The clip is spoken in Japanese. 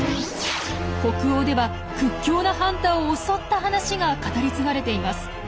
北欧では屈強なハンターを襲った話が語り継がれています。